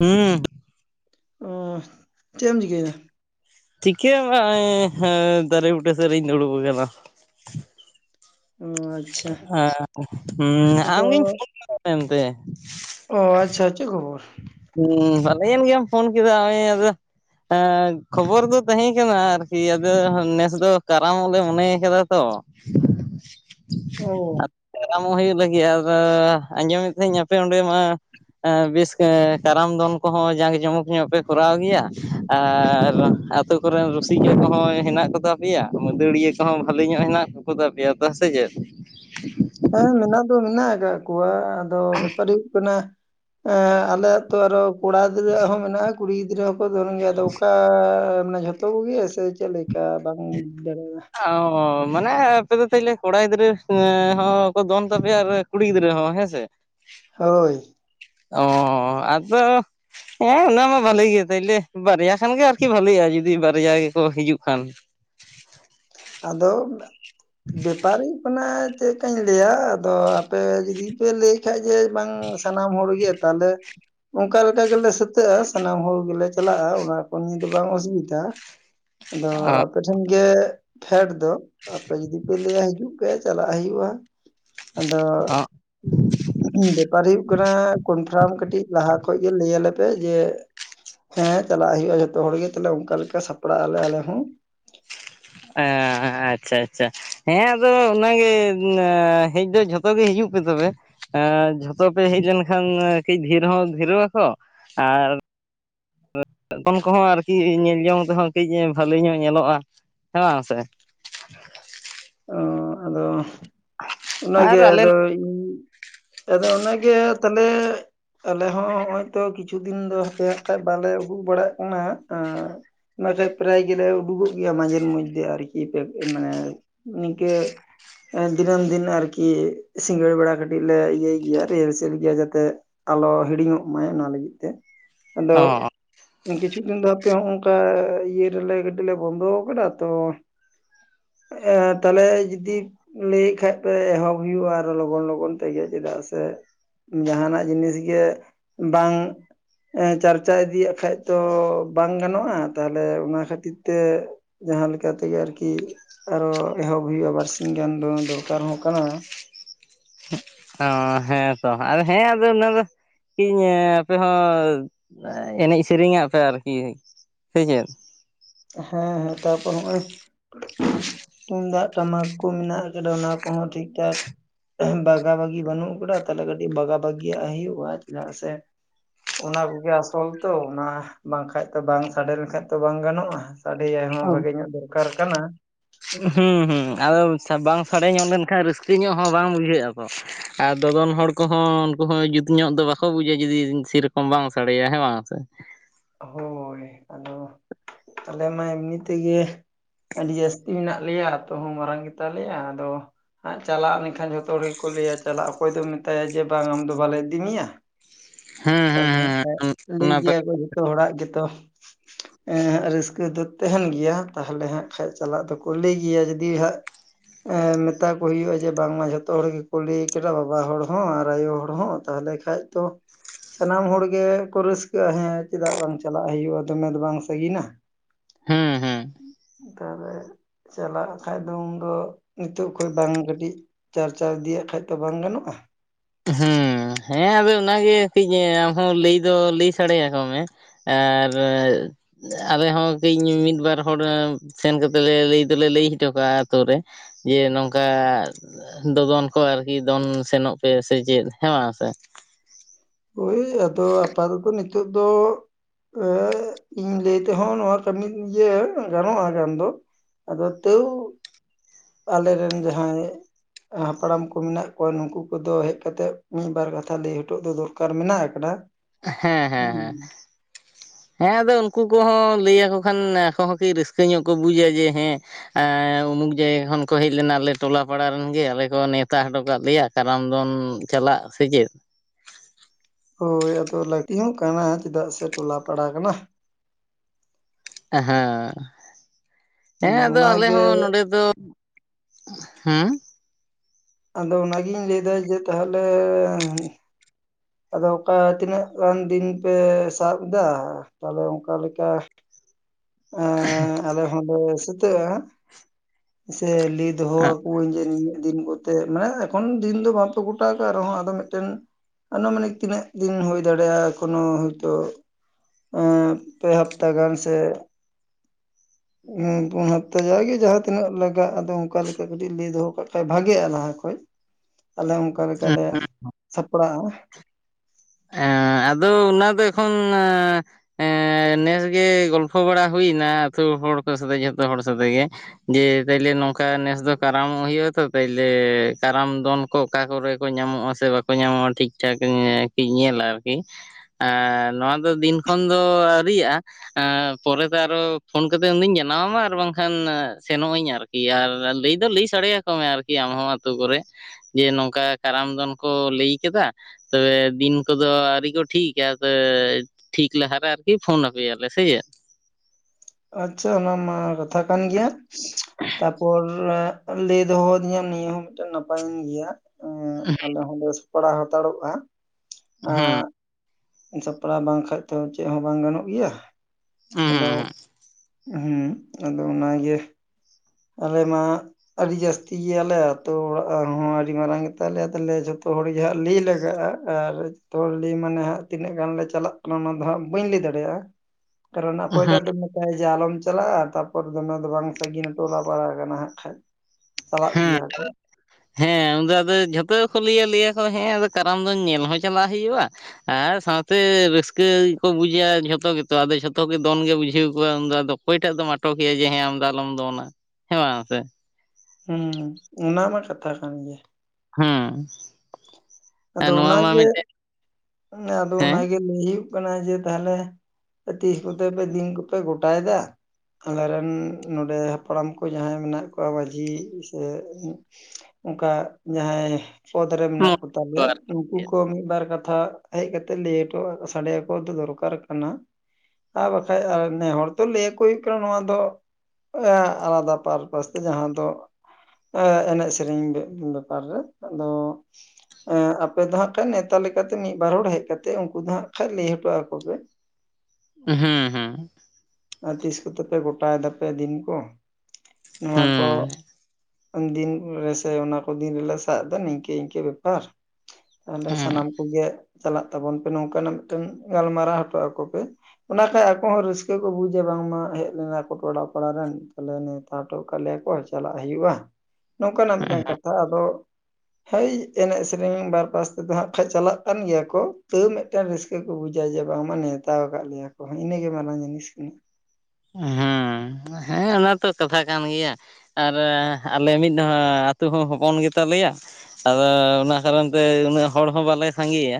ᱦᱩᱸ᱾ ᱚ ᱪᱮᱫ ᱮᱢ ᱪᱤᱠᱟᱹᱭᱫᱟ? ᱪᱤᱠᱟᱹ ᱦᱚ ᱵᱟᱝ ᱫᱟᱨᱮ ᱵᱩᱴᱟᱹ ᱥᱮᱫ ᱨᱤᱧ ᱫᱩᱲᱩᱵ ᱟᱠᱟᱱᱟ᱾ ᱚ ᱟᱪᱪᱷᱟ ᱦᱮᱸ ᱦᱮᱸ ᱟᱫᱚ ᱟᱢᱜᱤᱧ ᱯᱷᱳᱱ ᱠᱟᱢᱟ ᱢᱮᱱᱛᱮ᱾ ᱚ ᱟᱪᱪᱷᱟ᱾ ᱟᱨ ᱪᱮᱫ ᱠᱷᱚᱵᱚᱨ? ᱦᱩᱸ ᱵᱷᱟᱞᱮᱭᱮᱱ ᱜᱮᱭᱟᱢ ᱯᱷᱳᱱ ᱠᱮᱫᱟ ᱦᱚᱸᱜ-ᱚᱭ ᱟᱫᱚ ᱦᱮᱸ ᱠᱷᱚᱵᱚᱨ ᱫᱚ ᱛᱟᱦᱮᱸ ᱠᱟᱱᱟ᱾ ᱟᱨᱠᱤ ᱟᱫᱚ ᱱᱮᱥ ᱫᱚ ᱠᱟᱨᱟᱢᱚᱜ ᱞᱮ ᱢᱚᱱᱮᱭ ᱟᱠᱟᱫᱟ ᱛᱚ᱾ [inaudible] [unintelligible] ᱚ [unintelligible] ᱦᱩᱭᱩᱜ ᱞᱟᱹᱜᱤᱫ ᱟ ᱟᱫᱚ ᱟᱸᱡᱚᱢᱮᱫ ᱛᱟᱦᱮᱱᱟᱹᱧ ᱟᱯᱮ ᱚᱸᱰᱮ ᱢᱟ ᱵᱮᱥ ᱠᱟᱨᱟᱢ ᱫᱚᱱ ᱠᱚᱦᱚᱸ ᱡᱟᱸᱠ ᱡᱚᱢᱚᱠ ᱧᱚᱜ ᱯᱮ ᱠᱚᱨᱟᱣ ᱜᱮᱭᱟ ᱟᱨ ᱟᱛᱳ ᱠᱚᱨᱮᱱ ᱨᱩᱥᱤᱠᱟ ᱠᱚᱦᱚᱸ ᱦᱮᱱᱟᱜ ᱠᱚᱛᱟ ᱯᱮᱭᱟ ᱢᱟᱹᱫᱟᱹᱲᱤᱭᱟᱹ ᱠᱚᱦᱚᱸᱵᱷᱟᱹᱞᱤ ᱧᱚᱜ ᱦᱮᱱᱟᱜ ᱠᱚ ᱠᱚᱛᱟ ᱯᱮᱭᱟ ᱛᱚ ᱥᱮ ᱪᱮᱫ [unintelligible] ᱦᱮᱸ ᱢᱮᱱᱟᱜ ᱫᱚ ᱢᱮᱱᱟᱜ ᱟᱠᱟᱫ ᱠᱚᱣᱟ ᱟᱫᱚ ᱵᱮᱯᱟᱨ ᱦᱩᱭᱩᱜ ᱠᱟᱱᱟ ᱮᱸ ᱟᱞᱮᱭᱟᱜ ᱛᱚ ᱟᱨᱚ ᱠᱚᱲᱟ ᱜᱤᱫᱽᱨᱟᱹᱣᱟᱜ ᱦᱚᱸ ᱢᱮᱱᱟᱜᱼᱟ ᱠᱩᱲᱤ ᱜᱤᱫᱽᱨᱟᱹ ᱦᱚᱸᱠᱚ ᱫᱚᱨᱚᱱ ᱜᱮᱭᱟ ᱟᱫᱚ ᱚᱠᱟ ᱢᱟᱱᱮ ᱡᱷᱚᱛᱚᱼᱼ ᱡᱚᱛᱚ ᱠᱚᱜᱮ ᱥᱮ ᱪᱮᱫ ᱞᱮᱠᱟ ᱵᱟᱝ ᱵᱩᱡᱽ ᱫᱟᱲᱮᱭᱟᱜᱼᱟ ᱚᱻ ᱢᱟᱱᱮ ᱟᱯᱮ ᱫᱚ ᱛᱟᱦᱞᱮ ᱠᱚᱲᱟ ᱜᱤᱫᱽᱨᱟᱹ ᱦᱚᱸ ᱠᱚ ᱫᱚᱱ ᱛᱟᱯᱮᱭᱟ ᱟᱨ ᱠᱩᱲᱤ ᱜᱤᱫᱽᱨᱟᱹ ᱦᱚᱸ ᱦᱮᱸ ᱥᱮ? ᱦᱳᱭ ᱚᱸᱻ ᱟᱫᱚ ᱦᱮᱸᱻ ᱚᱱᱟ ᱢᱟ ᱵᱷᱟᱹᱞᱤ ᱜᱮᱭᱟ ᱛᱟᱦᱚᱞᱮ ᱵᱟᱨᱭᱟ ᱠᱷᱟᱱ ᱜᱮ ᱟᱨᱠᱤ ᱵᱷᱟᱹᱞᱤᱜᱼᱟ ᱡᱩᱫᱤ ᱵᱟᱨᱭᱟ ᱜᱮᱠᱚ ᱦᱤᱡᱩᱜ ᱠᱷᱟᱱ ᱟᱫᱚ ᱵᱮᱯᱟᱨ ᱦᱩᱭᱩᱜ ᱠᱟᱱᱟ ᱪᱮᱫᱠᱟᱹᱧ ᱞᱟᱹᱭᱟ ᱟᱫᱚ ᱟᱯᱮ ᱡᱩᱫᱤ ᱯᱮ ᱞᱟᱹᱭ ᱠᱷᱟᱡ ᱡᱮ ᱵᱟᱝᱼᱼ ᱥᱟᱱᱟᱢ ᱦᱚᱲ ᱜᱮ ᱛᱟᱞᱮ ᱚᱱᱠᱟ ᱞᱮᱠᱟ ᱜᱮᱞᱮ ᱥᱟᱹᱛᱟᱹᱜᱼᱟ ᱥᱟᱱᱟᱢ ᱦᱚᱲ ᱜᱮᱞᱮ ᱪᱟᱞᱟᱜᱼᱟ ᱚᱱᱟ ᱠᱚ ᱱᱤᱭᱟᱹ ᱫᱚ ᱵᱟᱝ ᱚᱥᱩᱵᱤᱫᱟᱜᱼᱟ᱾ ᱟᱫᱚ ᱟᱯᱮ ᱴᱷᱮᱱ ᱜᱮ ᱯᱷᱮᱰ ᱫᱚ ᱟᱯᱮ ᱡᱩᱫᱤ ᱯᱮ ᱞᱟᱹᱭᱟ ᱦᱤᱡᱩᱜ ᱯᱮ ᱪᱟᱞᱟᱜ ᱦᱩᱭᱩᱜᱼᱟ᱾ ᱟᱫᱚᱻ ᱵᱮᱯᱟᱨ ᱦᱩᱭᱩᱜ ᱠᱟᱱᱟ ᱠᱚᱱᱯᱷᱟᱨᱢ ᱠᱟᱹᱴᱤᱡ ᱞᱟᱦᱟ ᱠᱷᱚᱡ ᱜᱮ ᱞᱟᱹᱭ ᱟᱞᱮᱯᱮ ᱡᱮ ᱦᱮᱸ ᱪᱟᱞᱟᱜ ᱦᱩᱭᱩᱜᱼᱟ ᱡᱚᱛᱚ ᱦᱚᱲ ᱜᱮ ᱛᱟᱦᱞᱮ ᱚᱱᱠᱟ ᱞᱮᱠᱟ ᱥᱟᱯᱲᱟᱜᱼᱟᱞᱮ ᱟᱞᱮ ᱦᱚᱸ ᱟᱪᱪᱷᱟ ᱟᱪᱪᱷᱟ ᱦᱮᱸ ᱟᱫᱚ ᱚᱱᱟᱜᱮ ᱦᱮᱡ ᱫᱚ ᱡᱷᱚᱼᱼ ᱡᱷᱚᱛᱚ ᱜᱮ ᱦᱤᱡᱩᱜ ᱯᱮ ᱛᱚᱵᱮ ᱮ ᱡᱷᱚᱛᱚ ᱯᱮ ᱦᱮᱡ ᱞᱮᱱᱠᱷᱟᱱ ᱠᱟᱹᱡ ᱰᱷᱮᱨ ᱦᱚᱸ ᱰᱷᱮᱨᱚᱜ ᱟᱠᱚ ᱟᱨᱻ ᱡᱚᱛᱚᱱ ᱠᱚᱦᱚᱸ ᱟᱨᱠᱤ ᱧᱮᱞ ᱡᱚᱝ ᱛᱮᱦᱚᱸ ᱠᱟᱹᱡ ᱵᱷᱟᱹᱞᱤ ᱧᱚᱜ ᱮ ᱧᱮᱞᱚᱜᱼᱟ ᱦᱮᱸ ᱵᱟᱝ ᱥᱮ [inaudible] ᱚᱸᱻ ᱟᱫᱚ ᱚᱱᱟ ᱟᱨ ᱜᱮ ᱟᱞᱮ ᱟᱫᱚ ᱤᱧ ᱟᱫᱚ ᱚᱱᱟ ᱜᱮ ᱛᱟᱦᱚᱞᱮ ᱟᱞᱮ ᱦᱚᱸ ᱱᱚᱜᱼᱚᱭ ᱛᱚ ᱠᱤᱪᱷᱩ ᱫᱤᱱ ᱫᱚ ᱦᱟᱯᱮᱭᱟᱜ ᱠᱷᱟᱡ ᱵᱟᱞᱮ ᱩᱰᱩᱠ ᱵᱟᱲᱟᱜ ᱠᱟᱱᱟ ᱱᱚᱜᱼᱚᱭ ᱡᱮ ᱯᱨᱟᱭ ᱜᱮᱞᱮ ᱩᱰᱩᱠᱚᱜ ᱜᱮᱭᱟ ᱢᱟᱡᱷᱮᱨ ᱢᱚᱫᱽᱫᱷᱮ ᱟᱨᱠᱤᱮ ᱢᱟᱱᱮ ᱱᱤᱝᱠᱟᱹ ᱫᱤᱱᱟᱹᱢ ᱫᱤᱱ ᱟᱨᱠᱤ ᱥᱤᱸᱜᱟᱹᱲ ᱵᱮᱲᱟ ᱠᱟᱹᱴᱤᱡ ᱞᱮ ᱤᱭᱟᱹᱭ ᱜᱮᱭᱟ ᱨᱮᱦᱮᱞᱥᱮᱞ ᱜᱮᱭᱟ ᱡᱟᱛᱮ ᱟᱞᱚ ᱦᱤᱲᱤᱧᱚᱜ ᱢᱟᱭ ᱚᱱᱟ ᱞᱟᱹᱜᱤᱫ ᱛᱮ ᱟᱫᱚ ᱦᱚᱸ ᱠᱤᱪᱷᱩ ᱫᱤᱱ ᱫᱚ ᱦᱟᱯᱮ ᱦᱚᱸ ᱚᱱᱠᱟ ᱤᱭᱟᱹ ᱨᱮᱞᱮ ᱠᱟᱹᱴᱤᱡ ᱞᱮ ᱵᱚᱱᱫᱚ ᱟᱠᱟᱫᱟ ᱛᱚ ᱮᱻ ᱛᱟᱦᱚᱞᱮ ᱡᱩᱫᱤ ᱞᱟᱹᱭᱮᱜ ᱠᱷᱟᱡ ᱯᱮ ᱮᱦᱚᱵ ᱦᱩᱭᱩᱜᱼᱟ ᱟᱨ ᱞᱚᱜᱚᱱ ᱞᱚᱜᱚᱱ ᱛᱮᱜᱮ ᱪᱮᱫᱟᱜ ᱥᱮ ᱡᱟᱦᱟᱱᱟᱜ ᱡᱤᱱᱤᱥ ᱜᱮ ᱵᱟᱝ ᱪᱟᱨᱪᱟ ᱤᱫᱤᱭᱟᱜ ᱠᱷᱟᱡ ᱛᱚ ᱵᱟᱝ ᱜᱟᱱᱚᱜᱼᱟ ᱛᱟᱦᱚᱞᱮ ᱚᱱᱟ ᱠᱷᱟᱹᱛᱤᱨ ᱛᱮ ᱡᱟᱦᱟᱸ ᱞᱮᱠᱟ ᱛᱮᱜᱮ ᱟᱨᱠᱤ ᱟᱨᱦᱚᱸ ᱮᱦᱚᱵ ᱦᱩᱭᱩᱜᱼᱟ ᱵᱟᱨᱥᱤᱧ ᱜᱟᱱ ᱫᱚ ᱫᱚᱨᱠᱟᱨ ᱦᱚᱸ ᱠᱟᱱᱟ ᱚᱸᱻ ᱦᱮᱸ ᱛᱚ ᱟᱨ ᱦᱮᱸ ᱟᱫᱚ ᱚᱱᱟ ᱫᱚ ᱤᱧ ᱟᱯᱮ ᱦᱚᱸ ᱮᱱᱮᱡ ᱥᱮᱨᱮᱧᱟᱜ ᱯᱮ ᱟᱨᱠᱤ ᱥᱮ ᱪᱮᱫ ᱦᱮᱸ ᱦᱮᱸ ᱛᱟᱨᱯᱚᱨ ᱱᱚᱜᱼᱚᱭ ᱛᱩᱢᱫᱟᱜ ᱴᱟᱢᱟᱠ ᱠᱚ ᱢᱮᱱᱟᱜ ᱟᱠᱟᱫᱟ ᱚᱱᱟ ᱠᱚᱦᱚᱸ ᱴᱷᱤᱠ ᱴᱷᱟᱠ ᱵᱟᱜᱟ ᱵᱟᱹᱜᱤ ᱵᱟᱹᱱᱩᱜ ᱟᱠᱟᱫᱟ ᱛᱟᱦᱚᱞᱮ ᱠᱟᱹᱴᱤᱡ ᱵᱟᱜᱟ ᱵᱟᱹᱜᱤᱭᱟᱜ ᱦᱩᱭᱩᱜᱼᱟ ᱪᱮᱫᱟᱜ ᱥᱮ ᱚᱱᱟ ᱠᱚᱜᱮ ᱟᱥᱚᱞ ᱛᱚ ᱚᱱᱟ ᱵᱟᱝᱠᱷᱟᱡ ᱛᱚ ᱵᱟᱝ ᱥᱟᱰᱮ ᱞᱮᱱᱠᱷᱟᱡ ᱛᱚ ᱵᱟᱝ ᱜᱟᱱᱚᱜᱼᱟ᱾ ᱥᱟᱰᱮ ᱟᱭ ᱦᱚᱸ ᱵᱷᱟᱹᱜᱤ ᱧᱚᱜ ᱫᱚᱨᱠᱟᱨ ᱠᱟᱱᱟ ᱦᱩᱸ ᱦᱩᱸ ᱟᱫᱚ ᱵᱟᱝ ᱥᱟᱰᱮ ᱧᱚᱜ ᱞᱮᱱᱠᱷᱟᱱ ᱨᱟᱹᱥᱠᱟᱹ ᱧᱚᱜ ᱦᱚᱸ ᱵᱟᱝ ᱵᱩᱡᱷᱟᱹᱜᱼᱟ ᱛᱚ ᱟᱨ ᱫᱚᱫᱚᱱ ᱦᱚᱲ ᱠᱚᱦᱚᱸ ᱩᱱᱠᱩ ᱦᱚᱸ ᱡᱩᱛ ᱧᱚᱜ ᱫᱚ ᱵᱟᱠᱚ ᱵᱩᱡᱟ ᱡᱩᱫᱤ ᱥᱮᱨᱚᱠᱚᱢ ᱵᱟᱝ ᱥᱟᱰᱮᱭᱟ ᱦᱮᱸ ᱵᱟᱝ ᱥᱮ ᱦᱳᱭ ᱟᱫᱚ ᱟᱞᱮ ᱢᱟ ᱮᱢᱱᱤ ᱛᱮᱜᱮ ᱟᱹᱰᱤ ᱡᱟᱹᱥᱛᱤ ᱢᱮᱱᱟᱜ ᱞᱮᱭᱟ ᱟᱹᱛᱳ ᱦᱚᱸ ᱢᱟᱨᱟᱝ ᱜᱮ ᱛᱟᱞᱮᱭᱟ ᱟᱫᱚ ᱦᱟᱸᱜ ᱪᱟᱞᱟᱜ ᱞᱮᱠᱷᱟᱱ ᱡᱚᱛᱚ ᱦᱚᱲ ᱜᱮᱠᱚ ᱞᱟᱹᱭᱟ ᱪᱟᱞᱟᱜ ᱚᱠᱚᱭ ᱫᱚᱢ ᱢᱮᱛᱟᱭᱟ ᱡᱮ ᱵᱟᱝ ᱟᱢᱫᱚ ᱵᱟᱞᱮ ᱤᱫᱤ ᱢᱮᱭᱟ ᱦᱮᱸ ᱦᱮᱸ ᱛᱟᱦᱞᱮ ᱦᱮᱸ [unintelligible] ᱞᱟᱹᱭ ᱚᱱᱟ ᱛᱚ ᱜᱮᱭᱟ ᱠᱚ ᱡᱚᱛᱚ ᱦᱚᱲᱟᱜ ᱜᱮᱛᱚ ᱮᱻ ᱨᱟᱹᱥᱠᱟᱹ ᱫᱚ ᱛᱟᱦᱮᱱ ᱜᱮᱭᱟ ᱛᱟᱦᱚᱞᱮ ᱦᱟᱸᱜ ᱠᱷᱟᱡ ᱪᱟᱞᱟᱜ ᱫᱚᱠᱚ ᱞᱟᱹᱭ ᱜᱮᱭᱟ ᱡᱩᱫᱤ ᱦᱟᱸᱜ ᱢᱮᱛᱟ ᱠᱚ ᱦᱩᱭᱩᱜᱼᱟ ᱡᱮ ᱵᱟᱝᱢᱟ ᱡᱷᱚᱛᱚ ᱦᱚᱲ ᱜᱮᱠᱚ ᱞᱟᱹᱭ ᱠᱮᱫᱟ ᱵᱟᱵᱟ ᱦᱚᱲ ᱦᱚᱸ ᱟᱨ ᱟᱭᱳ ᱦᱚᱲ ᱦᱚᱸ ᱛᱟᱦᱚᱞᱮ ᱠᱷᱟᱱ ᱵᱟ ᱠᱷᱟᱡ ᱛᱚ ᱥᱟᱱᱟᱢ ᱦᱚᱲ ᱜᱮᱠᱚ ᱨᱟᱹᱥᱠᱟᱹᱜᱼᱟ ᱦᱮᱸ ᱪᱮᱫᱟᱜ ᱵᱟᱝ ᱪᱟᱞᱟᱜ ᱦᱩᱭᱩᱜᱼᱟ ᱫᱚᱢᱮ ᱫᱚ ᱵᱟᱝ ᱥᱟᱺᱜᱤᱧᱟ ᱦᱮᱸ ᱦᱮᱸ᱾ ᱛᱟᱦᱚᱞᱮ ᱪᱟᱞᱟᱜ ᱠᱷᱟᱡ ᱫᱚ ᱩᱱᱫᱚ ᱱᱤᱛᱚᱜ ᱠᱷᱚᱡ ᱵᱟᱝ ᱠᱟᱹᱴᱤᱡ ᱪᱟᱨᱪᱟᱣ ᱤᱫᱤᱭᱟᱜ ᱠᱷᱟᱡ ᱛᱚ ᱵᱟᱝ ᱜᱟᱱᱚᱜᱼᱟ ᱦᱮᱸ ᱦᱮᱸ ᱟᱫᱚ ᱚᱱᱟᱜᱮ ᱠᱟᱹᱡ ᱟᱢᱦᱚᱸ ᱞᱟᱹᱭ ᱫᱚ ᱞᱟᱹᱭ ᱥᱟᱰᱮᱮᱭᱟᱚ ᱢᱮ ᱟᱨ ᱟᱞᱮᱦᱚᱸ ᱠᱟᱹᱡ ᱢᱤᱫᱵᱟᱨ ᱦᱚᱲ ᱥᱮᱱ ᱠᱟᱛᱮᱫ ᱞᱟᱹᱭ ᱫᱚᱞᱮ ᱞᱟᱹᱭ ᱦᱚᱴᱚ ᱠᱟᱜᱼᱟ ᱟᱹᱛᱩ ᱨᱮ ᱤᱭᱟ ᱱᱚᱝᱠᱟ ᱫᱚᱫᱚᱱ ᱠᱚ ᱟᱨᱠᱤ ᱫᱚᱱ ᱥᱮᱱᱚᱜ ᱯᱮ ᱥᱮ ᱪᱮᱫ ᱦᱮᱸ ᱵᱟᱝ ᱥᱮ ᱦᱳᱭ ᱟᱫᱚ ᱟᱯᱟᱛᱚᱛᱚ ᱫᱚ ᱱᱤᱛᱚᱜ ᱫᱚ ᱮ ᱤᱧ ᱞᱟᱹᱭ ᱛᱮᱦᱚᱸ ᱱᱚᱣᱟ ᱠᱟᱹᱢᱤ ᱮ ᱜᱟᱱᱚᱜᱼᱟ ᱜᱟᱱ ᱫᱚ ᱟᱫᱚ ᱛᱟᱹᱣ ᱟᱞᱮᱨᱮᱱ ᱡᱟᱦᱟᱸᱭ ᱦᱟᱯᱲᱟᱢ ᱠᱚ ᱢᱮᱱᱟᱜ ᱠᱚᱣᱟ ᱱᱩᱠᱩ ᱠᱚᱫᱚ ᱦᱮᱡᱠᱟᱛᱮᱫ ᱢᱤᱫ ᱵᱟᱨ ᱠᱟᱛᱷᱟ ᱞᱟᱹᱭ ᱦᱚᱴᱚ ᱫᱚ ᱫᱚᱨ ᱠᱟᱨ ᱢᱮᱱᱟᱜ ᱮᱠᱟᱰᱟ ᱦᱮᱸ ᱦᱮᱸ ᱦᱮᱸ ᱦᱮᱸ ᱟᱫᱚ ᱩᱱᱠᱩ ᱠᱚᱦᱚᱸ ᱞᱟᱹᱭᱟᱠᱚ ᱠᱷᱟᱱ ᱟᱠᱚ ᱦᱚᱸ ᱠᱤ ᱨᱟᱹᱥᱠᱟᱹ ᱧᱚᱜ ᱠᱚ ᱵᱩᱡᱟ ᱡᱮᱹ ᱦᱮᱸ ᱟ ᱩᱢᱩᱠ ᱡᱟᱭᱜᱟ ᱠᱷᱚᱱ ᱠᱚ ᱦᱮᱡ ᱞᱮᱱᱟ ᱟᱞᱮ ᱴᱚᱞᱟ ᱯᱟᱲᱟ ᱨᱮᱱ ᱜᱮ ᱟᱞᱮ ᱠᱚ ᱱᱮᱣᱛᱟ ᱦᱚᱴᱚ ᱠᱟᱜ ᱞᱮᱭᱟ ᱠᱟᱨᱟᱢ ᱫᱚᱱ ᱪᱟᱞᱟᱜ ᱥᱮ ᱪᱮᱫ ᱦᱳᱭ ᱟᱫᱚ ᱞᱟᱹᱠᱛᱤ ᱦᱚᱸ ᱠᱟᱱᱟ ᱪᱮᱫᱟᱜ ᱥᱮ ᱴᱚᱞᱟ ᱯᱟᱲᱟ ᱠᱟᱱᱟ ᱦᱮᱸ ᱦᱮᱸ ᱟᱫᱚ ᱟᱞᱮ ᱦᱚᱸ ᱱᱚᱰᱮ ᱫᱚ ᱦᱩᱸ ᱟᱫᱚ ᱚᱱᱟᱜᱤᱧ ᱞᱟᱹᱭᱮᱫᱟ ᱡᱮᱹ ᱛᱟᱦᱚᱞᱮ ᱟᱫᱚ ᱚᱠᱟ ᱛᱤᱱᱟᱹᱜ ᱜᱟᱱ ᱫᱤᱱ ᱯᱮ ᱥᱟᱵ ᱮᱫᱟ ᱛᱟᱦᱞᱮ ᱚᱱᱠᱟ ᱞᱮᱠᱟ ᱮᱸ ᱟᱞᱮ ᱦᱚᱸᱞᱮ ᱥᱤᱛᱟᱹᱜᱼᱟ ᱥᱮ ᱞᱟᱹᱭ ᱫᱚᱦᱚᱣᱟᱠᱚᱣᱟᱹᱧ ᱡᱮ ᱱᱤᱱᱟᱹᱜ ᱫᱤᱱ ᱠᱚ ᱛᱮ ᱢᱟᱱᱮ ᱮᱠᱷᱚᱱ ᱫᱤᱱ ᱫᱚ ᱵᱟᱝᱯᱮ ᱜᱚᱴᱟ ᱠᱟᱜ ᱨᱮᱦᱚᱸ ᱟᱫᱚ ᱢᱤᱫᱴᱮᱱ ᱟᱱᱩᱢᱟᱱᱤᱠ ᱛᱤᱱᱟᱹᱜ ᱫᱤᱱ ᱦᱩᱭ ᱫᱟᱲᱮᱭᱟᱜᱼᱟ ᱠᱳᱱᱚ ᱦᱳᱭᱛᱳ ᱮᱸ ᱯᱮ ᱦᱟᱯᱛᱟ ᱜᱟᱱ ᱥᱮ ᱯᱩᱱ ᱦᱟᱯᱛᱟ ᱡᱟᱜᱮ ᱡᱟᱦᱟᱸ ᱛᱤᱱᱟᱹᱜ ᱞᱟᱜᱟᱜ ᱟᱫᱚ ᱚᱱᱠᱟ ᱞᱮᱠᱟ ᱠᱟᱹᱴᱤᱡ ᱞᱟᱹᱭ ᱫᱚᱦᱚ ᱠᱟᱜ ᱠᱷᱟᱱ ᱵᱷᱟᱜᱮᱹᱜᱼᱟ ᱞᱟᱦᱟ ᱠᱷᱚᱡ ᱟᱞᱮ ᱚᱱᱠᱟᱞᱮᱠᱟ ᱞᱮ ᱥᱟᱯᱲᱟᱜᱼᱟ᱾ ᱮ ᱟᱫᱚ ᱚᱱᱟ ᱫᱚ ᱮᱠᱷᱚᱱ ᱮᱸ ᱱᱮᱥ ᱜᱮ ᱜᱚᱞᱯᱚ ᱵᱟᱲᱟ ᱦᱩᱭᱱᱟ ᱟᱹᱛᱩ ᱦᱚᱲ ᱠᱚ ᱥᱟᱛᱮ ᱡᱚᱛᱚ ᱦᱚᱲ ᱥᱟᱛᱮᱜ ᱜᱮ ᱡᱮᱹ ᱛᱟᱦᱞᱮ ᱱᱚᱝᱠᱟ ᱱᱮᱥ ᱫᱚ ᱠᱟᱨᱟᱢᱚᱜ ᱦᱩᱭᱩᱜ ᱟ ᱛᱚ ᱛᱟᱦᱞᱮ ᱠᱟᱨᱟᱢ ᱫᱚᱱ ᱚᱠᱟ ᱠᱚᱨᱮ ᱠᱚ ᱧᱟᱢᱚᱜᱼᱟ ᱥᱮ ᱵᱟᱠᱚ ᱧᱟᱢᱚᱜᱼᱟ ᱴᱷᱤᱠ ᱴᱷᱟᱠ ᱧᱮᱞᱟ ᱟᱨᱠᱤ ᱮ ᱱᱚᱣᱟ ᱫᱚ ᱫᱤᱱ ᱠᱷᱚᱱ ᱫᱚ ᱟᱹᱣᱨᱤᱭᱟᱜᱼᱟ ᱯᱚᱨᱮᱛᱮ ᱟᱨᱚ ᱯᱷᱳᱱ ᱠᱟᱛᱮᱫ ᱩᱱᱫᱩᱧ ᱡᱟᱱᱟᱣ ᱟᱢᱟ ᱟᱨ ᱵᱟᱝᱠᱷᱟᱱ ᱥᱮᱱᱚᱜ ᱟᱹᱧ ᱟᱨᱠᱤ ᱠᱤ ᱟᱨ ᱞᱟᱹᱭ ᱫᱚ ᱞᱟᱹᱭ ᱥᱟᱰᱮᱭᱟᱠᱚᱢᱮ ᱟᱨᱠᱤ ᱟᱢ ᱦᱚᱸ ᱟᱛᱳ ᱠᱚᱨᱮ ᱡᱮᱹ ᱱᱚᱝᱠᱟ ᱠᱟᱨᱟᱢ ᱫᱚᱱ ᱠᱚ ᱞᱟᱹᱭ ᱠᱮᱫᱟ ᱛᱚᱵᱮ ᱫᱤᱱ ᱠᱚᱫᱚ ᱟᱹᱣᱨᱤ ᱠᱚ ᱴᱷᱤᱠᱟ ᱴᱷᱤᱠ ᱞᱟᱦᱟ ᱨᱮ ᱟᱹᱨᱠᱤ ᱯᱷᱳᱱ ᱟᱯᱮᱭᱟᱞᱮ ᱥᱮ ᱪᱮᱫ ᱟᱪᱪᱷᱟ ᱚᱱᱟ ᱢᱟ ᱠᱟᱛᱷᱟ ᱠᱟᱱ ᱜᱮᱭᱟ ᱛᱟᱯᱚᱨ ᱞᱟᱹᱭ ᱫᱚᱦᱚᱟᱹᱫᱤᱧᱟᱢ ᱱᱤᱭᱟᱹ ᱦᱚᱸ ᱢᱤᱫᱴᱮᱱ ᱱᱟᱯᱟᱭᱮᱱ ᱜᱮᱭᱟ ᱟᱞᱮ ᱦᱚᱸᱞᱮ ᱥᱟᱯᱲᱟᱣ ᱦᱟᱛᱟᱲᱚᱜᱼᱟ ᱦᱩᱸ ᱟᱨ ᱥᱟᱯᱲᱟᱣ ᱵᱟᱝᱠᱷᱟᱱᱡ ᱛᱚ ᱪᱮᱫ ᱦᱚ ᱵᱟᱝ ᱜᱟᱱᱚᱜ ᱜᱮᱭᱟ ᱟᱫᱚ ᱦᱩᱸ ᱦᱩ ᱟᱫᱚ ᱚᱱᱟᱜᱮ ᱟᱞᱮ ᱢᱟ ᱟᱹᱰᱤ ᱡᱟᱹᱥᱛᱤ ᱜᱮᱭᱟᱞᱮ ᱟᱛᱳ ᱚᱲᱟᱜ ᱦᱚ‌ ᱟᱹᱰᱤ ᱢᱟᱨᱟᱝ ᱜᱮᱛᱟᱞᱮᱭᱟ ᱛᱟᱞᱮ ᱡᱷᱚᱛᱚ ᱦᱚᱲᱜᱮ ᱦᱟᱜ ᱞᱟᱹᱭ ᱞᱟᱜᱟᱜ-ᱟ᱾ ᱟᱨ ᱡᱚᱛᱚ ᱦᱚᱲ ᱞᱟᱹᱭ ᱢᱟᱱᱮ ᱦᱟᱜ ᱛᱤᱱᱟᱹᱜ ᱜᱟᱱ ᱞᱮ ᱪᱟᱞᱟᱜ ᱠᱟᱱᱟ ᱚᱱᱟ ᱫᱚ ᱦᱟᱜ ᱵᱟᱹᱧ ᱞᱟᱹᱭ ᱫᱟᱲᱮᱭᱟᱜ-ᱟ ᱠᱟᱨᱚᱱ ᱚᱱᱟ ᱦᱩᱸ ᱚᱠᱚᱭᱴᱟᱜ ᱫᱚ ᱢᱮᱛᱟᱭ ᱡᱮ ᱟᱞᱚᱢ ᱪᱟᱞᱟᱜ-ᱟ ᱛᱟᱨᱯᱚᱨ ᱫᱚ ᱚᱱᱟ ᱫᱚ ᱵᱟᱝ ᱥᱟᱺᱜᱤᱧᱟ ᱴᱚᱞᱟ ᱯᱟᱲᱟ ᱟᱠᱟᱱᱟ ᱦᱟᱜ ᱠᱷᱟᱡ ᱪᱟᱞᱟᱜ ᱦᱩᱸ ᱜᱮᱭᱟ ᱠᱚ ᱦᱮᱸ ᱩᱱᱫᱚ ᱟᱫᱚ ᱡᱷᱚᱛᱚ ᱠᱚ ᱞᱟᱹᱭ ᱞᱮᱭᱟ ᱠᱚ ᱦᱮᱸ ᱟᱫᱚ ᱠᱟᱨᱟᱢ ᱫᱚᱱ ᱧᱮᱞ ᱦᱚᱸ ᱪᱟᱞᱟᱣ ᱦᱩᱭᱩᱜ-ᱟ ᱟᱨ ᱥᱟᱶᱛᱮ ᱨᱟᱹᱥᱠᱟᱹ ᱜᱮᱠᱚ ᱵᱩᱡ-ᱟ ᱡᱷᱚᱛᱚ ᱜᱮᱛᱚ ᱟᱫᱚ ᱡᱷᱚᱛᱚ ᱜᱮ ᱫᱚᱱ ᱜᱮ ᱵᱩᱡᱷᱟᱹᱣ ᱠᱚᱣᱟ ᱩᱱᱫᱚ ᱟᱫᱚ ᱚᱠᱚᱭ ᱴᱟᱜ ᱫᱚᱢ ᱟᱴᱚᱠᱮᱭᱟ ᱡᱮ ᱦᱮᱸ ᱟᱢ ᱫᱚ ᱟᱞᱚᱢ ᱫᱚᱱᱟ ᱦᱮᱸ ᱵᱟᱝ ᱥᱮ ᱦᱩᱸ ᱚᱱᱟ ᱢᱟ ᱠᱷ ᱠᱟᱛᱷᱟ ᱠᱟᱱ ᱜᱮᱭᱟ ᱦᱩᱸᱢ ᱟᱫᱚ ᱚᱱᱟᱜᱮ ᱟᱫᱚ ᱦᱮᱸ ᱚᱱᱟᱜᱮ ᱞᱟᱹᱭ ᱦᱩᱭᱩᱜ ᱠᱟᱱᱟ ᱡᱮ ᱛᱟᱦᱚᱞᱮ ᱛᱤᱥ ᱠᱚᱛᱮ ᱯᱮ ᱫᱤᱱ ᱠᱚᱯᱮ ᱜᱚᱴᱟᱭᱮᱫᱟ ᱟᱞᱮᱨᱮᱱ ᱱᱚᱰᱮ ᱦᱟᱯᱲᱟᱢ ᱠᱚ ᱡᱟᱦᱟᱭ ᱢᱮᱱᱟᱜ ᱠᱚᱣᱟ ᱢᱟᱺᱡᱷᱤ ᱥᱮ ᱚᱱᱠᱟ ᱡᱟᱦᱟᱭ ᱯᱚᱫ ᱨᱮ ᱢᱮᱱᱟᱜ ᱢᱚᱱᱮ ᱠᱚ ᱛᱟᱠᱚ ᱛᱟᱞᱮᱭᱟ ᱟᱨᱠᱤ ᱩᱱᱠᱩ ᱠᱚ ᱢᱤᱫᱵᱟᱨ ᱟᱨ ᱠᱟᱛᱷᱟ ᱦᱮᱡ ᱠᱟᱛᱮ ᱞᱟᱹᱭ ᱦᱚᱴᱚ ᱥᱟᱰᱮ ᱟᱠᱚ ᱫᱚᱨᱠᱟᱨ ᱠᱟᱱᱟ ᱟᱨ ᱵᱟᱠᱷᱟᱡ ᱱᱮ ᱦᱚᱲ ᱛᱚ ᱞᱟᱹᱭ ᱟᱠᱚ ᱦᱩᱭᱩᱜ ᱠᱟᱱᱟ ᱱᱚᱣᱟ ᱫᱚ ᱟᱞᱟᱫᱟ ᱯᱟᱨᱯᱟᱥ ᱛᱮ ᱡᱟᱦᱟᱸ ᱫᱚ ᱮᱸ ᱮᱱᱮᱡ ᱥᱮᱨᱮᱧ ᱵᱮᱯᱟᱨ ᱨᱮ ᱟᱫᱚ ᱟᱯᱮ ᱫᱚ ᱦᱟᱸᱜ ᱠᱷᱟᱡ ᱱᱮᱶᱛᱟ ᱞᱮᱠᱟᱛᱮ ᱢᱤᱫ ᱵᱟᱨ ᱦᱚᱲ ᱦᱮᱡ ᱠᱟᱛᱮᱜ ᱩᱱᱠᱩ ᱫᱚ ᱦᱟᱸᱜ ᱠᱷᱟᱱᱡ ᱞᱟᱹᱭ ᱦᱚᱴᱚ ᱟᱠᱚᱯᱮ ᱦᱩᱸ ᱦᱩᱸ ᱟᱨ ᱛᱤᱥ ᱠᱚᱛᱮᱯᱮ ᱜᱚᱴᱟᱭ ᱫᱟᱯᱮ ᱫᱤᱱ ᱠᱚ ᱱᱚᱣᱟ ᱠᱚ ᱦᱩᱸ ᱫᱤᱱ ᱨᱮᱥᱮ ᱚᱱᱟ ᱠᱚ ᱫᱤᱱ ᱨᱮᱞᱮ ᱥᱟᱵ ᱮᱫᱟ ᱱᱤᱝᱠᱟᱹ ᱤᱝᱱᱠᱟᱹ ᱵᱮᱯᱟᱨ ᱛᱟᱦᱚᱞᱮ ᱦᱩᱸ ᱥᱟᱱᱟᱢ ᱠᱚᱜᱮ ᱪᱟᱞᱟᱜ ᱛᱟᱵᱚᱱ ᱯᱮ ᱱᱚᱝᱠᱟᱱᱟᱜ ᱢᱤᱫᱴᱮᱱ ᱜᱟᱞᱢᱟᱨᱟᱣ ᱦᱚᱴᱚ ᱟᱠᱚ ᱯᱮ ᱚᱱᱟ ᱠᱷᱟᱡ ᱟᱠᱚ ᱦᱚᱸ ᱨᱟᱹᱥ ᱠᱟᱹ ᱠᱚ ᱵᱩᱡᱟ ᱵᱟᱝᱢᱟ ᱦᱮᱡ ᱞᱮᱱᱟ ᱠᱚ ᱴᱚᱞᱟ ᱯᱟᱲᱟ ᱨᱮᱱ ᱛᱟᱦᱚᱞᱮ ᱱᱮᱶᱛᱟ ᱦᱚᱴᱚ ᱠᱟᱸᱜ ᱞᱮᱭᱟ ᱠᱚ ᱪᱟᱞᱟᱜ ᱦᱩᱭᱩᱜ-ᱟ ᱱᱚᱝᱠᱟ ᱱᱟᱜ ᱢᱤᱫᱴᱟᱱ ᱠᱟᱛᱷᱟ ᱟᱫᱚ ᱦᱳᱭ ᱮᱱᱮᱡ ᱥᱮᱨᱮᱧ ᱵᱟᱨᱯᱟᱥ ᱛᱮᱫᱚ ᱦᱟᱸᱜ ᱠᱷᱟᱡ ᱪᱟᱞᱟᱜ ᱠᱟᱱ ᱜᱮᱭᱟ ᱠᱚ ᱛᱟᱣ ᱢᱮᱫ ᱢᱤᱫᱴᱟᱝ ᱨᱟᱹᱥᱠᱟᱹ ᱠᱚ ᱵᱩᱡᱟ ᱡᱮ ᱵᱟᱝᱢᱟ ᱱᱮᱶᱛᱟ ᱟᱠᱟᱫ ᱞᱮᱭᱟ ᱠᱚ ᱦᱚᱸ ᱤᱱᱟᱹᱜ ᱜᱮ ᱢᱟᱨᱟᱝ ᱡᱤᱱᱤᱥ ᱠᱟᱱᱟ ᱦᱩᱸ ᱦᱮᱸ ᱚᱱᱟ ᱛᱚ ᱠᱟᱛᱷᱟ ᱠᱟᱱ ᱜᱮᱭᱟ ᱟᱨ ᱟᱞᱮ ᱢᱤᱫᱷᱟᱣ ᱟᱛᱳ ᱦᱚᱸ ᱦᱚᱯᱚᱱ ᱜᱮ ᱛᱟᱞᱮᱭᱟ ᱥᱟᱫᱚ ᱚᱱᱟ ᱠᱟᱨᱚᱱ ᱛᱮ ᱩᱱᱟᱹᱜ ᱦᱚᱲ ᱦᱚᱸ ᱵᱟᱞᱮ ᱥᱟᱸᱜᱮᱭᱟ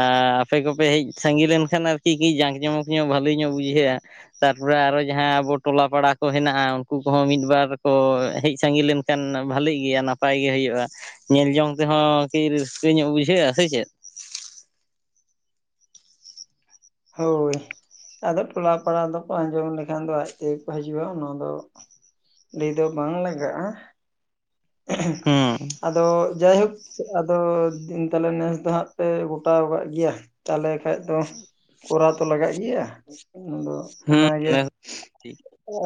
ᱟᱨ ᱟᱯᱮ ᱠᱚᱯᱮ ᱦᱮᱡ ᱥᱟᱸᱜᱮ ᱞᱮᱱᱠᱷᱟᱱ ᱟᱨᱠᱤ ᱡᱟᱸᱠ ᱡᱚᱢᱚᱠ ᱧᱚᱜ ᱵᱟᱹᱞᱤ ᱧᱚᱜ ᱵᱩᱡᱷᱟᱹᱜ-ᱟ ᱛᱨᱟ ᱟᱨᱚ ᱡᱟᱦᱟᱸ ᱟᱵᱚ ᱴᱚᱞᱟ ᱯᱟᱲᱟ ᱠᱚ ᱦᱮᱱᱟᱜ-ᱟ ᱩᱱᱠᱩ ᱠᱚᱦᱚ ᱢᱤᱫ ᱵᱟᱨ ᱠᱚ ᱦᱮᱡ ᱥᱟᱸᱜᱮ ᱞᱮᱱᱠᱷᱟᱱ ᱠᱷᱟᱱ ᱵᱟᱹᱞᱤᱜ ᱜᱮᱭᱟ ᱱᱟᱯᱟᱭ ᱜᱮ ᱦᱩᱭᱩᱜ-ᱟ ᱧᱮᱞ ᱡᱚᱝ ᱛᱮᱦᱚᱸ ᱠᱤ ᱨᱟᱹᱥᱠᱟᱹ ᱧᱚᱜ ᱵᱩᱡᱷᱟᱹᱜ-ᱟ ᱥᱮ ᱪᱮᱫ ᱦᱳᱭ ᱟᱫᱚ ᱴᱚᱞᱟ ᱯᱟᱲᱟ ᱫᱚᱠᱚ ᱟᱸᱡᱚᱢ ᱞᱮᱠᱷᱟᱱ ᱫᱚ ᱟᱡ ᱛᱮᱜᱮ ᱠᱚ ᱦᱤᱡᱩᱜ-ᱟ ᱚᱱᱟ ᱫᱚ ᱞᱟᱹᱭ ᱫᱚ ᱵᱟᱝ ᱞᱟᱜᱟᱜ-ᱟ ᱦᱮᱸ ᱟᱫᱚ ᱡᱟᱭᱦᱳᱠ ᱟᱫᱚ ᱛᱟᱦᱚᱞᱮ ᱱᱮᱥ ᱫᱚ ᱦᱟᱸᱜ ᱯᱮ ᱜᱚᱴᱟᱣ ᱠᱟᱜ ᱜᱮᱭᱟ ᱛᱟᱦᱞᱮ ᱠᱷᱟᱡ ᱫᱚ ᱠᱚᱨᱟᱣ ᱛᱚ ᱞᱟᱜᱟ ᱜᱮᱭᱟ ᱟᱫᱚ ᱚᱱᱟᱜᱮ ᱦᱮᱸ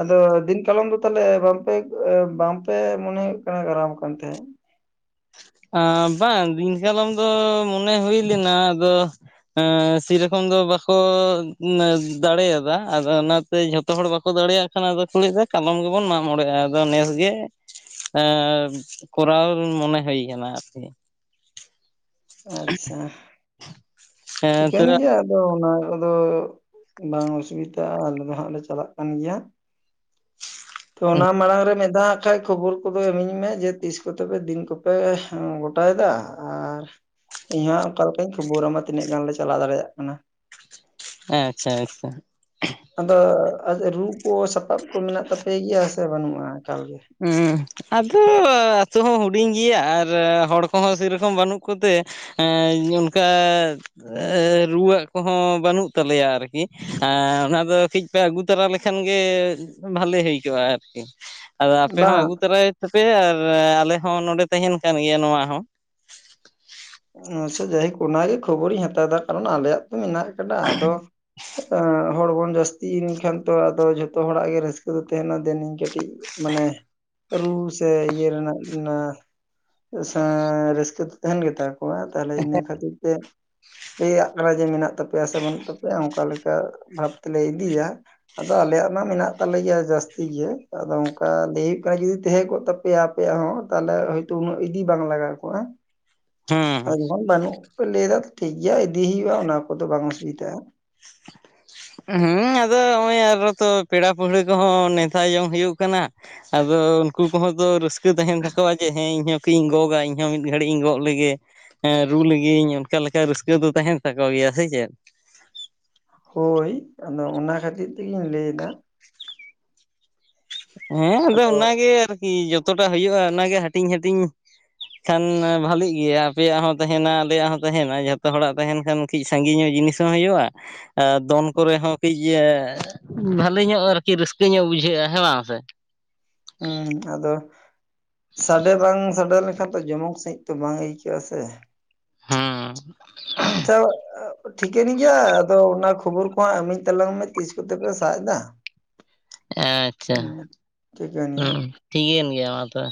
ᱟᱫᱚ ᱫᱤᱱ ᱠᱟᱞᱚᱢ ᱫᱚ ᱛᱟᱦᱞᱮ ᱵᱟᱝᱯᱮ ᱵᱟᱝᱯᱮ ᱢᱚᱱᱮ ᱦᱩᱭᱩᱜ ᱠᱟᱱᱟ ᱜᱟᱨᱟᱢ ᱠᱟᱱ ᱛᱟᱦᱮᱫ ᱵᱟᱝ ᱫᱤᱱᱠᱟᱞᱚᱢ ᱫᱚ ᱢᱚᱱᱮ ᱦᱩᱭ ᱞᱮᱱᱟ ᱟᱫᱚ ᱮ ᱥᱮᱨᱚᱠᱚᱢ ᱫᱚ ᱵᱟᱠᱚ ᱫᱟᱲᱮᱭᱟᱫᱟ ᱟᱫᱚ ᱚᱱᱟᱛᱮ ᱡᱷᱚᱛᱚ ᱦᱚᱲ ᱵᱟᱠᱚ ᱫᱟᱲᱮᱭᱟᱜ ᱠᱷᱟᱱᱟ ᱫᱚᱠᱚ ᱞᱟᱹᱭ ᱫᱟ ᱠᱟᱞᱚᱢ ᱜᱮᱵᱚᱱ ᱢᱟᱜ ᱢᱚᱬᱮᱜ-ᱟ ᱟᱫᱚ ᱱᱮᱥ ᱜᱮ ᱮᱸ ᱠᱚᱨᱟᱣ ᱢᱚᱱᱮ ᱦᱩᱭ ᱠᱟᱱᱟ ᱟᱨᱠᱤ ᱟᱪᱪᱷᱟ ᱦᱮᱸ ᱛᱚ ᱪᱤᱠᱮᱱ ᱜᱮᱭᱟ ᱟᱫᱚ ᱚᱱᱟ ᱠᱚᱫᱚ ᱵᱟᱝ ᱚᱥᱩᱵᱤᱫᱟᱜ-ᱟ ᱟᱞᱮ ᱫᱚ ᱦᱟᱸᱜ ᱞᱮ ᱪᱟᱞᱟᱜ ᱠᱟᱱ ᱜᱮᱭᱟ ᱛᱚ ᱚᱱᱟ ᱢᱟᱲᱟᱝ ᱨᱮ ᱢᱤᱫ ᱫᱷᱟᱣ ᱠᱷᱟᱡ ᱠᱷᱚᱵᱚᱨ ᱠᱚᱫᱚ ᱤᱢᱟᱹᱧ ᱢᱮ ᱡᱮ ᱛᱤᱥ ᱠᱚᱛᱮ ᱫᱤᱱ ᱠᱚᱯᱮ ᱜᱚᱴᱟᱭᱮᱫᱟ ᱟᱨ ᱤᱧᱦᱚᱸ ᱚᱠᱟ ᱞᱮᱠᱟᱧ ᱠᱷᱚᱵᱚᱨ ᱟᱢᱟ ᱛᱤᱱᱟᱹᱜ ᱜᱟᱱᱞᱮ ᱪᱟᱞᱟᱣ ᱫᱟᱲᱮᱭᱟᱜ ᱠᱟᱱᱟ ᱦᱮᱸ ᱟᱪᱪᱷᱟ ᱟᱪᱪᱷᱟ ᱟᱫᱚ ᱨᱩ ᱠᱚ ᱥᱟᱯᱟᱵ ᱠᱚ ᱢᱮᱱᱟᱜ ᱛᱟᱯᱮ ᱜᱮᱭᱟ ᱥᱮ ᱵᱟᱹᱱᱩᱜᱼᱟ ᱮᱠᱟᱞ ᱜᱮ ᱩᱸ ᱟᱫᱚ ᱟᱛᱳ ᱦᱚᱸ ᱦᱩᱰᱤᱧ ᱜᱮᱭᱟ ᱟᱨ ᱦᱚᱲ ᱠᱚᱦᱚᱸ ᱥᱮ ᱨᱚᱠᱚᱢ ᱵᱟᱹᱱᱩᱜ ᱠᱚᱛᱮ ᱦᱮᱸ ᱚᱱᱠᱟ ᱨᱩᱣᱟᱹᱜ ᱠᱚᱦᱚᱸ ᱵᱟᱹᱱᱩᱜ ᱛᱟᱞᱮᱭᱟ ᱟᱨᱠᱤ ᱚᱱᱟ ᱫᱚ ᱠᱟᱹᱴᱤᱡ ᱯᱮ ᱟᱹᱜᱩ ᱛᱚᱨᱟ ᱞᱮᱠᱷᱟᱱ ᱜᱮ ᱵᱷᱟᱞᱮ ᱦᱩᱭ ᱠᱚᱜᱼᱟ ᱟᱨᱠᱤ ᱟᱫᱚ ᱟᱯᱮ ᱦᱚᱸ ᱵᱟᱝ ᱟᱹᱜᱩ ᱛᱚᱨᱟᱭᱮᱫ ᱛᱟᱯᱮ ᱟᱨ ᱟᱞᱮ ᱦᱚᱸ ᱱᱚᱰᱮ ᱛᱟᱦᱮᱱ ᱠᱟᱱ ᱜᱮᱭᱟ ᱱᱚᱣᱟ ᱦᱚᱸ ᱟᱪᱷᱟ ᱡᱟᱭᱦᱳᱠ ᱚᱱᱟᱜᱮ ᱠᱷᱚᱵᱚᱨᱤᱧ ᱦᱟᱛᱟᱣᱟ ᱠᱟᱨᱚᱱ ᱟᱞᱮᱭᱟᱜ ᱛᱚ ᱢᱮᱱᱟᱜ ᱟᱠᱟᱫᱟ ᱟᱫᱚ ᱦᱚᱲ ᱵᱚᱱ ᱡᱟᱹᱥᱛᱤ ᱮᱱ ᱠᱷᱟᱱ ᱛᱚ ᱟᱫᱚ ᱡᱷᱚᱛᱚ ᱦᱚᱲᱟᱜ ᱜᱮ ᱨᱟᱹᱥᱠᱟᱹ ᱫᱚ ᱛᱟᱦᱮᱱᱟ ᱫᱮᱱᱤᱧ ᱠᱟᱹᱴᱤᱡ ᱢᱟᱱᱮ ᱨᱩ ᱥᱮ ᱤᱭᱟᱹ ᱨᱮᱱᱟᱜ ᱚᱱᱟ ᱨᱟᱹᱥᱠᱟᱹ ᱛᱟᱦᱮᱱ ᱜᱮᱛᱟ ᱛᱟᱦᱚᱞᱮ ᱤᱱᱟᱹ ᱠᱷᱟᱹᱛᱤᱨ ᱛᱮ ᱞᱟᱹᱭᱟᱜ ᱠᱟᱱᱟ ᱡᱮ ᱢᱮᱱᱟᱜ ᱛᱟᱠᱚᱣᱟ ᱾ ᱛᱟᱯᱮᱭᱟ ᱥᱮ ᱵᱟᱹᱱᱩᱜ ᱛᱟᱯᱮᱭᱟ ᱚᱱᱠᱟ ᱞᱮᱠᱟ ᱵᱷᱟᱵ ᱛᱮᱞᱮ ᱤᱫᱤᱭᱟ ᱾ ᱟᱫᱚ ᱟᱞᱮᱭᱟᱜ ᱢᱟ ᱢᱮᱱᱟᱜ ᱛᱟᱞᱮ ᱜᱮᱭᱟ ᱡᱟᱹᱥᱛᱤ ᱜᱮ ᱟᱫᱚ ᱚᱱᱠᱟ ᱞᱟᱹᱭ ᱦᱩᱭᱩᱜ ᱠᱟᱱᱟ ᱡᱩᱫᱤ ᱛᱟᱦᱮᱸ ᱠᱚᱜ ᱛᱟ ᱯᱮᱭᱟᱯᱮᱭᱟ ᱦᱚᱸ ᱛᱟᱦᱚᱞᱮ ᱦᱳᱭᱛᱚ ᱩᱱᱟᱹᱜ ᱤᱫᱤ ᱵᱟᱝ ᱞᱟᱜᱟᱣ ᱠᱚᱜᱼᱟ ᱾ ᱦᱩᱸ ᱟᱫᱚ ᱡᱚᱠᱷᱚᱱ ᱵᱟᱹᱱᱩᱜ ᱯᱮ ᱞᱟᱹᱭ ᱫᱟ ᱴᱷᱤᱠ ᱜᱮᱭᱟ ᱤᱫᱤ ᱦᱩᱭᱩᱜᱼᱟ ᱚᱱᱟ ᱠᱚᱫᱚ ᱵᱟᱝ ᱚᱥᱩᱵᱤᱛᱟᱜᱼᱟ ᱾ [unintelligible] ᱦᱮᱸ ᱟᱫᱚ ᱱᱚᱜᱼᱚᱭ ᱟᱨ ᱛᱚ ᱯᱮᱲᱟ ᱯᱟᱹᱲᱦᱟᱹ ᱠᱚᱦᱚᱸ ᱱᱮᱶᱛᱟ ᱡᱚᱝ ᱦᱩᱭᱩᱜ ᱠᱟᱱᱟ ᱾ ᱟᱫᱚ ᱩᱱᱠᱩ ᱠᱚᱦᱚᱸ ᱛᱚ ᱨᱟᱹᱥᱠᱟᱹ ᱛᱟᱦᱮᱱ ᱛᱟᱠᱚᱣᱟ ᱡᱮ ᱦᱮᱸ ᱤᱧᱦᱚ ᱠ ᱤᱧ ᱜᱚᱜ ᱠᱟ ᱤᱧᱦᱚᱸ ᱢᱤᱫ ᱜᱷᱟᱹᱲᱤᱡ ᱤᱧ ᱜᱚᱜ ᱞᱮᱜᱮ. ᱦᱮᱸ ᱨᱩ ᱞᱟᱹᱜᱤᱫᱜᱤᱧ ᱚᱱᱠᱟ ᱞᱮᱠᱟ ᱨᱟᱹᱥᱠᱟᱹ ᱫᱚ ᱛᱟᱦᱮᱱ ᱛᱟᱠᱚ ᱜᱮᱭᱟ ᱥᱮ ᱪᱮᱫ ᱦᱳᱭ ᱟᱫᱚ ᱚᱱᱟ ᱠᱷᱟᱹᱛᱤᱨ ᱛᱮᱜᱮᱧ ᱞᱟᱹᱭ ᱮᱫᱟ ᱾ ᱦᱮᱸ ᱟᱫᱚ ᱚᱱᱟᱜᱮ ᱟᱨᱠᱤ ᱡᱚᱛᱚᱴᱟᱜ ᱦᱩᱭᱩᱜᱼᱟ ᱚᱱᱟᱜᱮ ᱦᱟᱹᱴᱤᱧ ᱦᱟᱹᱴᱤᱧ ᱾ ᱠᱷᱟᱱ ᱵᱷᱟᱹᱞᱤᱜ ᱜᱮᱭᱟ ᱟᱯᱮᱭᱟᱜ ᱦᱚᱸ ᱛᱟᱦᱮᱱᱟ ᱟᱞᱮᱭᱟᱜ ᱦᱚᱸ ᱛᱟᱦᱮᱱᱟ ᱡᱷᱚᱛᱚ ᱦᱚᱲᱟᱜ ᱛᱟᱦᱮᱱ ᱠᱷᱟᱱ ᱠᱟᱹᱡ ᱥᱟᱺᱜᱤᱧᱚᱜ ᱡᱤᱱᱤᱥ ᱦᱚᱸ ᱦᱩᱭᱩᱜᱼᱟ ᱾ ᱟᱨ ᱫᱚᱱ ᱠᱚᱨᱮ ᱦᱚᱸ ᱠᱟᱹᱡ ᱵᱷᱟᱞᱮ ᱧᱚᱜ ᱟᱨᱠᱤ ᱨᱟᱹᱥᱠᱟᱹ ᱧᱚᱜ ᱵᱩᱡᱷᱟᱹᱜᱼᱟ ᱦᱮᱸ ᱵᱟᱝ? ᱥᱮᱮ [inaudible] ᱦᱮᱸ ᱟᱫᱚ ᱥᱟᱰᱮ ᱵᱟᱝ ᱥᱟᱰᱮ ᱞᱮᱱᱠᱷᱟᱱ ᱫᱚ ᱡᱚᱢᱚᱠ ᱥᱟᱺᱦᱤᱡ ᱛᱚ ᱵᱟᱝ ᱟᱹᱭᱠᱟᱹᱜᱼᱟ ᱥᱮ ᱦᱮᱸ ᱾ ᱟᱪᱷᱟ ᱾ ᱴᱷᱤᱠᱟᱹᱱ ᱜᱮᱭᱟ ᱟᱫᱚ ᱚᱱᱟ ᱠᱷᱚᱵᱚᱨ ᱠᱚᱦᱟᱸᱜ ᱤᱢᱤᱟᱹᱧ ᱛᱟᱞᱟᱝ ᱢᱮ ᱛᱤᱥ ᱠᱚᱛᱮ ᱯᱮ ᱥᱟᱵ ᱮᱫᱟ ᱾ ᱟᱪᱷᱟ ᱱᱤᱭᱟᱹ ᱦᱸᱩ ᱴᱷᱤᱠᱮᱱ ᱜᱮᱭᱟ ᱢᱟ ᱛᱚᱵᱮ